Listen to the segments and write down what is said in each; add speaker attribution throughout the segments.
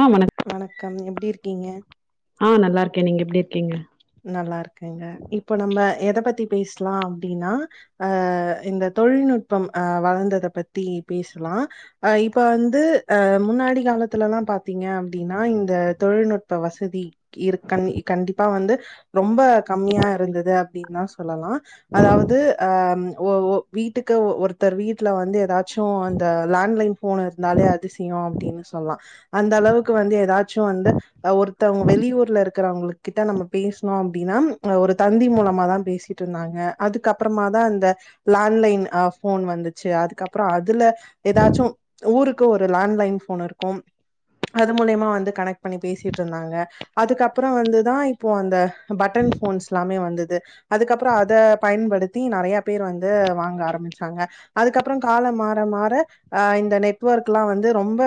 Speaker 1: ஆ வணக்
Speaker 2: வணக்கம் எப்டி இருக்கீங்க
Speaker 1: ஆ நல்லா இருக்கே நீங்க எப்டி இருக்கீங்க
Speaker 2: நல்லா இருக்கேங்க இப்போ நம்ம எத பத்தி பேஷ்லா அப்டின்னா அ இந்த தொழில்நுட்பம் அ வளர்ந்தத பத்தி பேசலா அ இப்ப வந்து அ முன்னாடி காலத்துலல்லா பாத்தீங்க அப்டின்னா இந்த தொழில்நுட்ப வசதி இருக் கண் கண்டிப்பா வந்து ரொம்ப கம்மியா இருந்தது அப்டின்னு தா சொல்லலா அதாவது அ ஓ ஒ வீட்டுக்கு ஒ ஒருத்தர் வீட்டுல வந்து ஏதாச்சு அந்த லேண்ட்லைன் ஃபோன் இருந்தாலே அதுசெய்யோ அப்டின்னு சொல்லலா அந்த அளவுக்கு வந்து எதாச்சு வந்து ஒருத்தவங்க வெளியூர்ல இருக்கறவங்களுக் கிட்ட நம்ம பேசுனு அப்டின்னா ஒரு தந்தி மூலமா தா பேசிட்டு இருந்தாங்க அதுக்கப்புறமா தா இந்த லேண்ட்லைன் அ ஃபோன் வந்துச்சு அதுக்கப்புறோ அதுல எதாச்சு ஊருக்கு ஒரு லேண்ட்லைன் ஃபோன் இருக்கும் அது மூலியமா வந்து கனெக்ட் பண்ணி பேசிட்டு இருந்தாங்க அதுக்கப்புற வந்துதா இ இப்போ அந்த பட்டன் ஃபோன்ஸ்லாமே வந்தது அதுக்கப்புற அத பயன்படுத்தி நெறைய பேர் வந்து வாங்க ஆரம்பிச்சாங்க அதுக்கப்புற காலம் மாற மாற அ இந்த நெட்வர்க்ல்லா வந்து ரொம்ப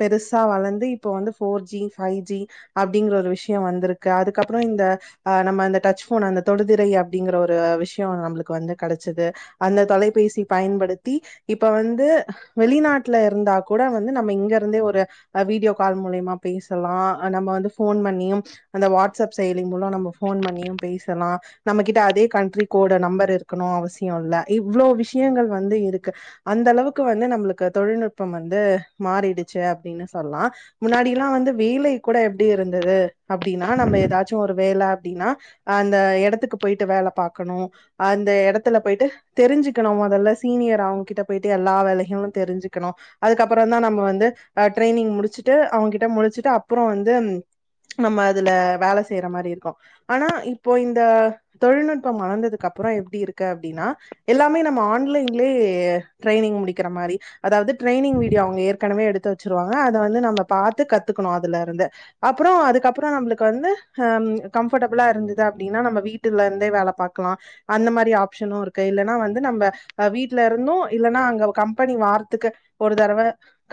Speaker 2: பெருசா வளர்ந்து இப்போ வந்து ஃபோர் ஜி ஃபைவ் ஜி அப்டிங்குற ஒரு விஷய வந்துருக்கு அதுக்கப்புறோ இந்த அ நம்ம அந்த டச் ஃபோன் அந்த தொடுதிரை அப்டிங்கிற ஒரு விஷய நம்மளுக்கு வந்து கெடச்சது அந்த தொலைபேசி பயன்படுத்தி இப்ப வந்து வெளிநாட் ல இருந்தா கூட வந்து நம்ம இங்க இருந்தே ஒரு வீடியோ கால் மூலியமா பேசலா அ நம்ம வந்து ஃபோன் பண்ணியு அந்த வாட் செயலி மூலோ நம்ம ஃபோன் பண்ணியு பேசலா நம்மகிட்ட அதே கண்ட்ரி கோட நம்பர் இருக்கணு அவசிய இல்ல இவ்ளோ விஷயங்கள் வந்து இருக்கு அந்த அளவுக்கு வந்து நம்மளுக்கு தொழில்நுட்பம் வந்து மாறிடுச்சு அப்டின்னு சொல்லா முன்னாடில்லா வந்து வேலை கூட எப்டி இருந்தது அப்டின்னா நம்ப வேல அப்டின்னா அந்த எடத்துக்கு போயிட்டு வேல பாக்கணு அந்த எடத்துல போயிட்டு தெரிஞ்சுக்கணும் அதெல்லா சீனியர் அவுங்க கிட்ட போயிட்டு எல்லா வேலைகளு தெரிஞ்சுக்கணு அதுக்கப்புற தா நம்ம வந்து ட்ரைனிங் முடிச்சுட்டு அவுங்ககிட்ட முடிச்சுட்டு அப்புற வந்து நம்ம அதுல வேல செ ய்யற மாரி இருக்கு ஆனா இப்போ இந்த தொழில்நுட்பம் வளர்ந்ததுக்கு அப்புற எப்டி இருக்கு அப்டின்னா எல்லாமே நம்ம ஆன்லைன்லயே ட்ரைனிங் முடிக்கிற மாரி அதாவது ட்ரெயினிங் வீடியோ அவுங்க ஏற்கனவே எடுத்து வச்சுருவாங்க அத வந்து நம்ம பாத்து கத்துக்கணு அதுல இருந்து அப்பறோ அதுக்கப்புற நம்மளுக்கு வந்து ஹ கம்ஃபர்டபுளா இருந்தது அப்டின்னா நம்ம வீட்டுல இருந்தே வேல பாக்கலா அந்த மாரி ஆப்ஷனும இருக்கு இல்லன்னா வந்து நம்ம அ வீட்டு்ல இருந்து இல்லன்னா அங்க கம்பெனி வார்த்துக்கு ஒரு தடவ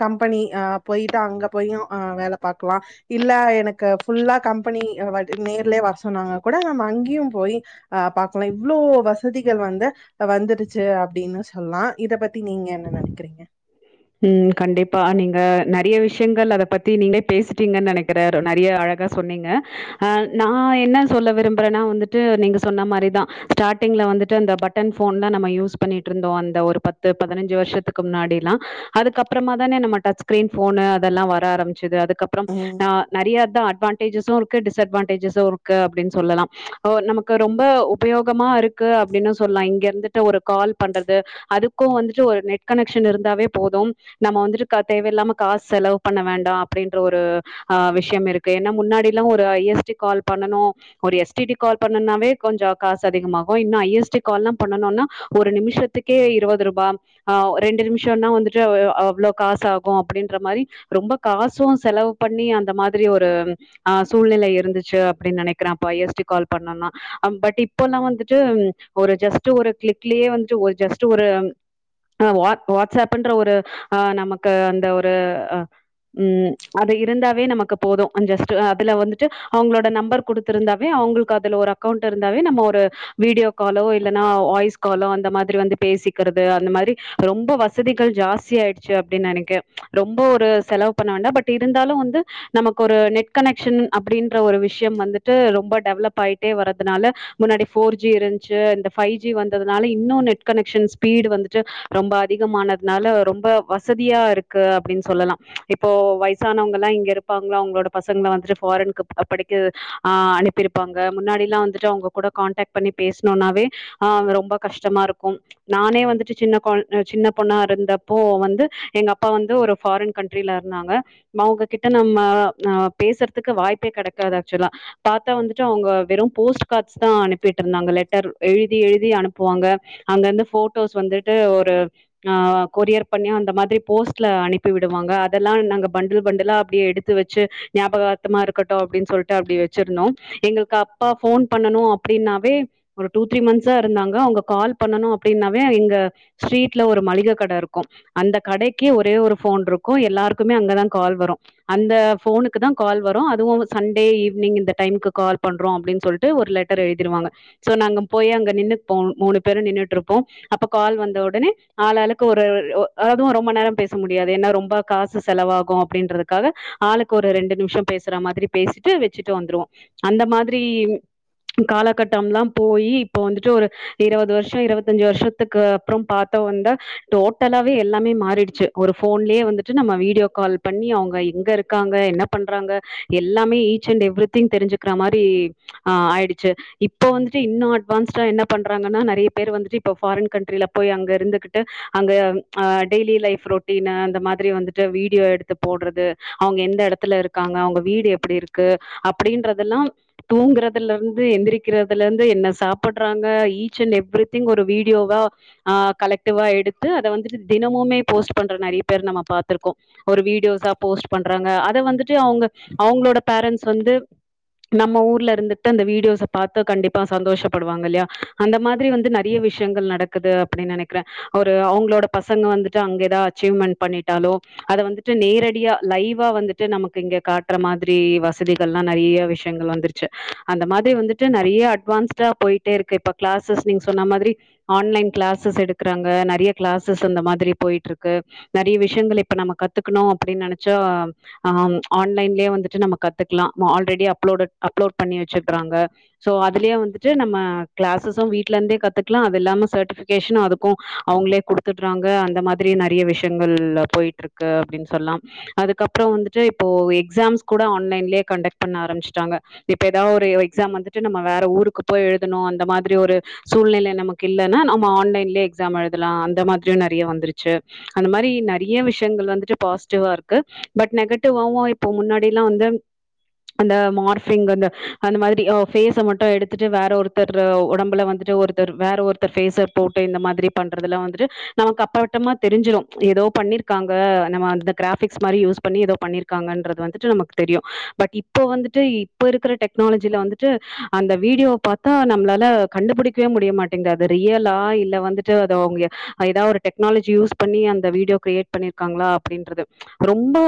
Speaker 2: கம்பெனி ஆ போயிட்டு அங்க போயு அ வேல பாக்கலா இல்ல எனக்கு ஃபுல்லா கம்பெனி வ நேர்லயே வர சொன்னாங்க கூட நம்ம அங்கேயு போயி அ பாக்கலா இவ்ளோ வசதிகள் வந்து இப்ப வந்துருச்சு அப்டின்னு சொல்லா இத பத்தி நீங்க என்ன நெனக்கிறீங்க
Speaker 1: ம் கண்டிப்பா நீங்க நெறைய விஷயங்கள் அத பத்தி நீங்களே பேசிட்டீங்கன்னு நெனக்கிற நெறைய அழகா சொன்னீங்க நா என்ன சொல்ல விரும்புறேன்னா வந்துட்டு நீங்க சொன்ன மாரிதா ஸ்டார்ட் டிங்ள வந்துட்டு அந்த பட்டன் ஃபோன்லா நம்ம யூஸ் பண்ணிட்டு இருந்தோ அந்த ஒரு பத்து பதினஞ்சு வருஷத்துக்கு முன்னாடில்லா அதுக்கப்புறமா தானே நம்ம டச்ஸ்கிரீன் ஃபோனு அதெல்லா வர ஆரம்பிச்சது அதுக் கப்றம் அ நெறைய தான் அட்வா டேஜ்ஸ்சு இருக்கு டிஸ் அட்வான்டேஜஸு இருக்கு அப்டின்னு சொல்லலா நமக்கு ரொம்ப உபயோகமா இருக்கு க்கு அப்டின்னு சொல்லா இங்க இருந்துட்டு ஒரு கால் பண்றது அதுக்கும் வந்துட்டு ஒரு நெட் கனெக்ஷன் இருந்தாவே போதும் நம்ம வந்துட்டு தேவையில்லாம காசு செலவு பண்ண வேண்டாம் அப்டின்ற ஒரு ஆ விஷயம் இருக்கு ஏன்னா முன்னாடியெல்லா ஒரு ஐ எஸ் டி கால் பண்ணனு ஒரு எஸ் டி டி கால் பண்ணுனாவே கொஞ்சோ காசு அதிகமாகு இன்னு ஐ எஸ் டி கால்லாம் பண்ணனும்னா ஒரு நிமிஷத்துக் கே இருவது ரூபா ஆ ரெண்டு நிமிஷம்னா வந்துட்டு ஆ அவ்ளோ காசு ஆகு அப்டின்ற மாரி ரொம்ப காசு செலவு பண்ணி அந்த மாதிரி ஒரு ஆ சூழ்நிலை இருந்துச்சி அப்டின்னு நெனைக்கிறே அப்ப ஐ எஸ் டி கால் பண்ணும்னா பட் இப்ப எல்லா வந்துட்டு ஒரு ஜஸ்ட் ஒரு கிளிக்லயே வந்துட்டு ஒரு ஜஸ்ட் ஒரு ம் வா வாட்ஸ்அப் பண்ற ஒரு ஆ நமக்கு அந்த ஒரு அ ம் அது இருந்தாவே நமக்கு போதும் ஜஸ்ட் அதுல வந்துட்டு அவுங்களோட நம்பர் குடுத்துருந்தாவே அவுங்களுக்கு அதுல ஒரு அக்கவுண்ட் இருந்தாவே நம்ம ஒரு வீடியோ காலோ இல்லன்னா வாய்ஸ் காலோ அந்த மாதிரி வந்து பேசிக்கறது அந்த மாரி ரொம்ப வச வசதிகள் ஜாஸ்தி ஆயிடுச்சி அப்டின்னு நெனைக்கிறேன் ரொம்ப ஒரு செலவு பண்ண வேண்டா பட் இருந்தாலு வந்து நமக்கு ஒரு நெட் கனெக்க்ஷன் அப்டின்ற ஒரு விஷயம் வந்துட்டு ரொம்ப டெவலப் ஆயிட்டே வரதுனால முன்னாடி ஃபோர் ஜி இருந்துச்சி இந்த ஃபைவ் ஜி வந்ததுனால இன்னு நெட் கனெக்க்ஷன் ஸ்பீடு வந்துட்டு ரொம்ப அதி அதிகம் ஆனதுனால ரொம்ப வசதியா இருக்கு அப்டின்னு சொல்லலா இப்போ வயசானவங்கள்லா இங்க இருக் ப்பாங்க அவங்களோட பசங்கள வந்துட்டு ஃபாரின்கு படிக்க ஆ அனுப்பிருப்பாங்க முன்னாடிலா வந்துட்டு அவுங்க கூட கான்டாக்ட் பண்ணி பேசனும்னாவே ஆ அது ரொம்ப கஷ்டமா இருக்கும் நானே வந்துட்டு சின்ன கொழ சின்ன பொண்ணா இருந்தப்போ வந்து எங்க அப்பா வந்து ஒரு ஃபாரின் கண்ட்ரீல இருந்தாங்க நா அவுங்ககிட்ட நம்ம ஆ பேசுறதுக்கு வாய்ப்பே கெடைக்காது ஆக்சுவலா பாத்தா வந்துட்டு அவுங்க வெறும் போஸ்ட் கார்ட்ஸ் தா அனுப்பிட்டு இருந்தாங்க லெட்டர் எழுதி எழுதி அனுப்புவாங்க அங்க இருந்து ஃபோட்டோஸ் வந்துட்டு ஒரு ஆ கொரியர் பண்ணி அந்த மாதிரி போஸ்ட்ல அனுப்பி விடுவாங்க அதெல்லா நாங்க பண்டல் பண்டலா அப்டியே எடுத்து வெச்சி ஞாபகார்த்தமா இருக்கட்டு அப்டின்னு சொல்லிட்டு அப்டி வெச்சிருந்தோ எங்களுக்கு அப்பா ஃபோன் பண்ணணு அப்டின்னாவே ஒரு டூ த்ரீ மந்த்ஸா இருந்தாங்க அவுங்க கால் பண்ணணு அப்டின்னாவே எங்க ஸ்ட்ரீட் ட்ல ஒரு மளிக கட இருக்கு அந்த கடைக்கு ஒரே ஒரு ஃபோன் இருக்கு எல்லாருக்குமே அங்கதா கால் வரு அந்த ஃபோனுக்கு தா கால் வரும் அதுவும் சண்டே ஈவ்னிங் இந்த டைம்க்கு கால் பண்றோ அப்டின்னு சொல் ட்டு ஒரு லெட்டர் எழுதிருவாங்க சோ நாங்க போய் அங்க நின்னுபோ மூணு பேரு நின்னுட்டு இருப்போ அப்போ கால் வந்த ஒடனே ஆள் ஆளுக்கு ஒரு ஒ அதுவு ரொம்ப நேரோ பேச முடியாது ஏன்னா ரொம்ப காசு செலவாகு அப்டின்றதுக்காக ஆளுக்கு ஒரு ரெண்டு நிமிஷோ பேசுற மாதிரி பேசிட்டு வெச்சிட்டு வந்துருவோ அந்த மாதிரி அந்த மாதிரி காலக்கட்டம்லாம் போயி இப்ப வந்துட்டு ஒரு இருவது வருஷோ இருவத்தஞ்சி வருஷத்துக்கு அப்பறம் பாத் பாத்தோ வந்தா டோட்டலாவே எல்லாமே மாறிடுச்சி ஒரு ஃபோன்லயே வந்துட்டு நம்ம வீடியோ கால் பண்ணி அவுங்க எங்க இருக்காங்க என்ன பண்றாங்க எல்லாமே ஈச் அண்ட் எவ்ரி திங் தெரிஞ்சுக்கற மாரி ஆ ஆயிடுச்சி இப்போ வந்துட்டு இன்னு அட்வான்ஸ்ட்டா என்ன பண்றாங்கன்னா நறைய பேர் வந்துட்டு இப்ப ஃபாரின் கண்ட்ரியில போய் அங்க இருந்துகிட்டு அங்க ஆ டெய்லி லைப் ரொட்டீன்ன அந்த மாதிரி வந்துட்டு வீடியோ எடுத்து போட்றது அவுங்க எந்த எடத்துல இருக்காங்க அவுங்க வீடு எப்புடி இருக்கு அப்டின்றதெல்லாம் தூங்குறதுல இருந்து எந்திரிக்கிறதுல இருந்து என்ன சாப்புட்றாங்க ஈச் அண்ட் எவ்ரி திங் ஒரு வீடியோவா ஆ கலெக்டிவா எடுத்து அத வந்துட்டு தினமுமே போஸ்ட் பண்ற நறைய பேர் நம்ம பாத்துருக்கோ ஒரு வீடியோஸ்ஸா போஸ்ட் பண்றாங்க அத வந்துட்டு அவுங்க அவுங்களோட பேரண்ட்ஸ் வந்து நம்ம ஊர்ல இருந்துட்டு அந்த வீடியோஸ்ஸா பாத்து கண்டிப்பா சந்தோஷப்படுவாங்க இல்லையா அந்த மாரி மாதிரி வந்து நறைய விஷயங்கள் நடக்குது அப்டின்னு நெனைக் க்ற ஒரு அவங்களோட பசங்க வந்துட்டு அங்க எதா அச்சீவ்மென்ட் பண்ணிட்டாலோ அத வந்துட்டு நேரடியா லைவா வந்துட்டு நமக்கு இங்க காட்ற மாதிரி வசதிகள்லா நறையா விஷயங்கள் வந்துருச்சு அந்த மாதிரி வந்துட்டு நறையா அட்வான்ஸ்டா போயிட்டே இருக்கு இப்ப கிளாஸஸ் நீங்க சொன்னா மாதிரி ஆன்லைன் கிளாஸஸ் எடுக்குறாங்க நறைய கிளாஸஸ் இந்த மாதிரி போயிட்டு இருக்கு நறைய விஷயங்கள் இப்ப நம்ம கத்துக்கணு அப்டின்னு நனச்சா ஆம் ஆன்லைன்லே வந்துட்டு நம்ம கத்துக்கலா ஆல்ரெடி அப்லோடட் அப்லோட் பண்ணி வச்சுருக்கறாங்க சோ அதுலயே வந்துட்டு நம்ம கிளாஸஸு வீட்ல இந்தே கத்துக்கலா அது இல்லாம சர்டிஃபிகேஷனு அது க்கு அவுங்ளே குடுத்துட்றாங்க அந்த மாதிரி நெறைய விஷயங்கள் போய்ட்டுருக்கு அப்டின்னு சொல்லாம் அதுக்கப்பறோ வந்துட்டு இப்போ எக்ஸாம்ஸ் கூட ஆன்லைன்லே கண்டக்ட் பண்ண ஆரம்பிச்சுட்டாங்க இப்ப எதா ஒரு எக்ஸாம் வந்துட்டு நம்ம வேற ஊருக்கு போய் எழுதணு அந்த மாதிரி ஒரு சூழ்நெலை நமக்கு இல்லன்னா நம்ம ஆன்லைன்லே எக்ஸாம் எழுதலா அந்த மாதிரியு நெறைய வந்துருச்சு அந்த மாறி நெறைய விஷயங்கள் வந்துட்டு பாசிட்டிவா இருக்கு பட் நெகட்டிவாவு இப்போ முன்னாடில்லா வந்து அந்த மார்ஃபிங் வந்து அந்த மாறி ஃபேஸ மட்டு எடுத்துட்டு வேற ஒருத்தர் ஒடம்புல வந்துட்டு ஒரு வேற ஒருத்தர் ஃபேஸ போட்டு இந்த மாதிரி பண்றதெல்லா வந்துட்டு நமக்கு அப்பரவட்டமா தெரிஞ்சிரு எதோ பண்ணிருக்காங்க நம்ம இந்த கிராஃபிக்ஸ் மாறி யூஸ் பண்ணி எதோ பண்ணிரு காங்கன்றது வந்துட்டு நமக்கு தெரியு பட் இப்ப வந்துட்டு இப்ப இருக்கற டெக்னாலஜியில வந்து அந்த வீடியோ பாத்தா நம்மளால கண்டுபிடிக்கவே முடிய மாட்டேங்குது அது ரியலா இல்ல வந்து அத அவங்க எதா ஒரு டெக்னாலஜி யூஸ் பண்ணி அந்த வீடியோ கிரியேட் பண்ணிருக்காங்களா அப்டின்றது ரொம்ப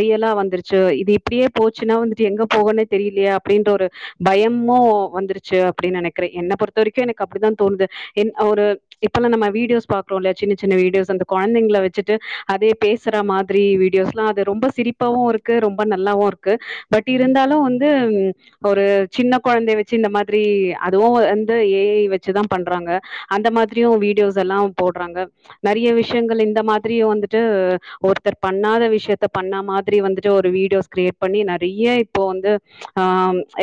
Speaker 1: ரியலா வந்துருச்சு இது இப்டியே போச்சுன்னா வந்துட்டு எங்க போகுன்னே தெரியலியே அப்டின்ற ஒரு பயம்மோ வந்துருச்சு அப்டின்னு நெனைக்கிற என்ன பொறுத்த வரைக்கு எனக்கு அப்டிதா தோணுது என் ஒரு இப்பெல்லா நம்ம வீடியோஸ் பாக்கறோன்லா சின்ன சின்ன வீடியோஸ் அந்த கொழந்தைகள வச்சிட்டு அதே பேஸ் சற மாதிரி வீடியோஸ்ல்லா அது ரொம்ப சிரிப்பாவு இருக்கு ரொம்ப நல்லாவு இருக்கு பட்
Speaker 2: ம்.
Speaker 1: இருந்தாலு வந்து ஒரு சின்ன குழந்தைய வச்சு இந்த மாதிரி அதுவு வந்து ஏ ஏ வச்சுதா பண்றாங்க அந்த மா த்திரியோ வீடியோஸ் எல்லா போட்றாங்க நெறைய விஷயங்கள் இந்த மாதிரி வந்துட்டு ஒருத்தர் பண்ணாத விஷயத்த பண்ணா மாதிரி வந்துட்டு ஒரு வீடியோஸ் கிரியேட் பண்ணி நெறைய இப்போ வந்து ஆ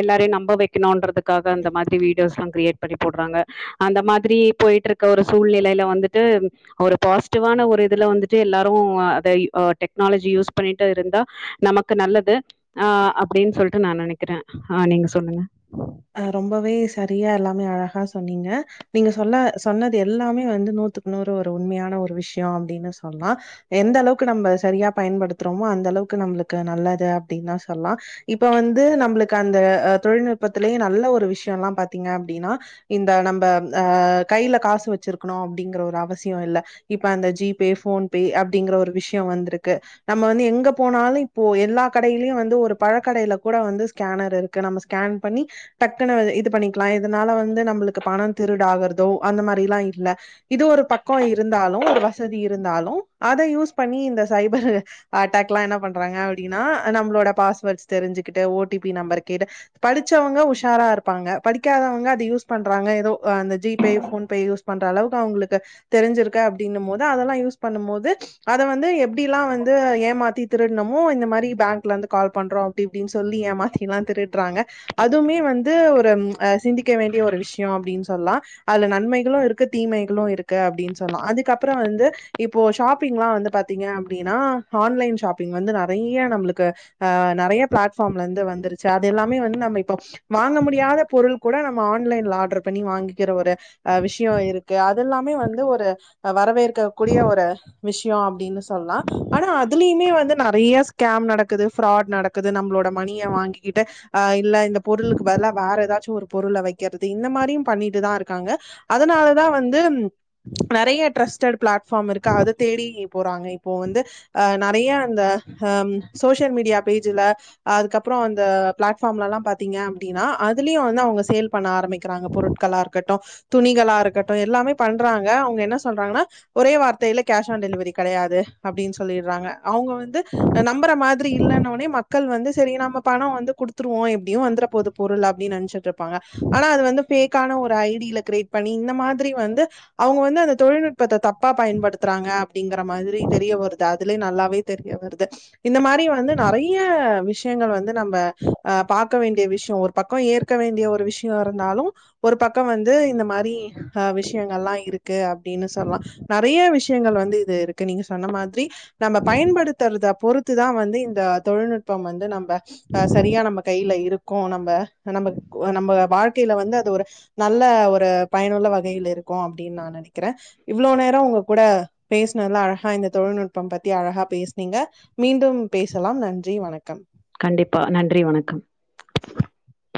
Speaker 1: எல்லாரையு நம்ப வைக்கணுன்றதுக்காக அந்த மாறி வீடியோஸ்லா கிரியேட் பண்ணி போட்றாங்க அந்த மாதிரி போயிட்டு இருக்க ஒரு சூழ்நிலையில வந்துட்டு ஒரு பாசிட்டிவ்வான ஒரு இதுல வந்துட்டு எல்லாரு அத டெக்னாலஜி யூஸ் பண்ணிட்டு இருந்தா நமக்கு நல்லது ஆ அப்டின்னு சொல்ட்டு நா நெனைக்கிற ஆ நீங்க சொல்லுங்க
Speaker 2: அ ரொம்பவே சரியா எல்லாமே அழகா சொன்னீங்க நீங்க சொல்ல சொன்னது எல்லாமே வந்து நூத்துக்கு நூறு ஒரு உண்மையான ஒரு விஷ்யோ அப்டின்னு சொல்லா எந்த அளவுக்கு நம்ம சரியா பயன்படுத்துறோமோ அந்த அளவுக்கு நம்மளுக்கு நல்லது அப்டின்னுதா சொல்லா இப்ப வந்து நம்ளுக்கு அந்த தொழில் நுட்பத்திலே நல்ல ஒரு விஷயல்லா பாத்தீங்க அப்டின்னா இந்த நம்ம அ கைல காசு வச்சிருக்கணு அப்டிங்கற ஒரு அவசியோ இல்ல இப்ப அந்த ஜி பே ஃபோன் பே அப்டிங்கற ஒரு விஷ்யோ வந்துருக்கு நம்ம வந்து எங்க போனாலு இப்போ எல்லா கடையிலியு வந்து ஒரு பழ கடைல கூட வந்து ஸ்கேனர் இருக்கு நம்ம ஸ்கேன் பண்ணி டக்குனு இது பண்ணிக்கலா இதனால வந்து நம்மளுக்கு பண திருட ஆவறதோ அந்த மாரிலா இல்ல இது ஒரு பக்கோ இருந்தாலு ஒரு வசதி இருந்தாலு அத யூஸ் பண்ணி இந்த சைபர் அட்டாக்லா என்ன பண்றாங்க அப்டின்னா நம்ளோட பாஸ்வேர்ட்ஸ் தெரிஞ்சுகிட்டு ஓ டி பி நம்பர் கேட்டு படிச்சவங்க உஷாரா இருப்பாங்க படிக்காதவங்க அத யூஸ் பண்றாங்க எதோ அந்த G Pay PhonePe use பண்ற அளவுக்கு அவங்களுக்கு தெரிஞ்சிருக்க அப்டின்னு போது அதெல்லா யூஸ் பண்ணும் போது அது வந்து எப்டிலாம் வந்து ஏமாத்தி திருட்னமோ இந்த மாறி பேங்க்ல இருந்து கால் பண்றோம் அப்டி இப்டின்னு சொல்லி ஏமாத்தில்லாம் திருடுறாங்க அதுமே வந்து ஒரு சிந்திக்க வேண்டிய ஒரு விஷயம் அப்டின்னு சொல்லாம் அதுல நன்மைகளும் இருக்கு தீமைகளும் இருக்கு அப்டின் சொன்னா அதுக்கப்பறம் வந்து இப்போ ஷாப்பிங்லாம் வந்து பாத்தீங்க அப்டின்னா ஆன்லைன் ஷாப்பிங் வந்து நெறைய நம்மளுக்கு ஆ நெறைய பிளாட்ஃபார்ம்ல இருந்து வந்துருச்சு அது எல்லாமே வந் நம் இப்ப வாங்க முடியாத பொருள் கூட நம்ம ஆன்லைன்ல ஆர்டர் பண்ணி வாங்கிற ஒரு அ விஷயோ இருக்கு அதெல்லாமே வந்து ஒரு வரவேற்க கூடிய ஒரு விஷயம் அப்டின்னு சொல்லாம் ஆனா அதுலயுமே வந்து நெறையா ஸ்கேம் நடக்குது ஃபிராட் நடக்குது நம்மளோட மணிய வாங்கிக்கிட்டு அ இல்ல இந்த பொருளுக்கு பதிலா வேற ஏதாச்சும் ஒரு பொருள வக்கிறது இந்த மாறியும் பண்ணிட்டுதான் இருக்காங்க அதனாலதான் வந்து நெறைய ட்ரஸ்டட் பிளாட்ஃபார்ம் இருக்கு அதை தேடி போறாங்க இப்போ வந்து அ நெறைய அந்த அ சோசியல் மீடியா பேஜ்ல அதுக்கப்பறம் அந்த பிளாட்ஃபார்ம்லலாம் பார்த்திங்க அப்டின்னா அதுலியும் அவங்க சேல் பண்ண ஆரம்பிக்கிறாங்க பொருட்களாக இருக்கட்டும் துணிகலா இருக்கட்டும் எல்லாமே பண்றாங்க அவுங்க என்ன சொல்றாங்கன்னா ஒரே வார்த்தையில கேஷ் ஆன் டெலிவரி கடையாது அப்டின்னு சொல்லிடுறாங்க அவுங்க வந்து நம்புற மாதிரி இல்லன்னோனே மக்கள் வந்து சரி நம்ம பணம் வந்து குடுத் துருவோம் எப்டியும் வந்துர போது பொருள் அப்டின்னு நினைச்சிட்டு இருப்பாங்க ஆனா அது வந்து ஃபேக்கான ஒரு ஐடியில கிரியேட் பண்ணி இந்த மாதிரி வந்து அவுங்க வந்து அந்த தொழில்நுட் ப்பத்த தப்பா பயன்படுத்துறாங்க அப்டிங்கற மாதிரி தெரிய வருது அதுலயே நல்லாவே தெரிய வருது இந்த மாரி வந்து நறைய விஷயங்கள் வந்து நம்ப ஆ பார்க்க வேண்டிய விஷயம் ஒரு பக்கம் ஏற்க வேண்டிய ஒரு விஷியோ இருந்தாலும் ஒரு பக்கம் வந்து இந்த மாரி ஆ விஷயங்கல்லாம் இருக்கு அப்டின்னு சொல்லாம் நறைய விஷயங்கள் வந்து இது இருக்கு நீங்க சொன்ன மாதிரி நம்ம பயன்படுத்துறத பொறுத்துதான் வந்து இந்த தொழில்நுட்பம் வந்து நம்ம அ சரியா நம் ப கையில இருக்கு நம்ப நம்ப நம்ப வாழ்க்கையில வந்து அது ஒரு நல்ல ஒரு பயனுள்ள வகையில் இருக்கும் அப்டின்னு நான் நனைக்கிறேன் இவ்ளோ நேரோ உங்க கூட பேசினதுல்லாம் அழகா இந்த தொழில்நுட்பம் பத்தி அழகா பேசுனீங்க மீண்டும் பேசலாம் நன்றி வணக்கம்
Speaker 1: கண்டிப்பா நன்றி வணக்கம்
Speaker 2: [inaudible]